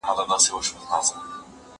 اوبه د زهشوم لخوا څښل کېږي!؟